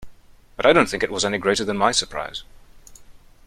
But I don't think it was any greater than my surprise.